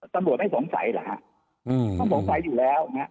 ตำรวจไม่สงสัยเหรอฮะต้องสงสัยอยู่แล้วนะฮะ